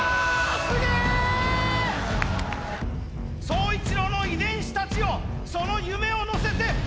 宗一郎の遺伝子たちよその夢を乗せて。